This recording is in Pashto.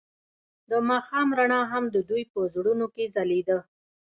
د ماښام رڼا هم د دوی په زړونو کې ځلېده.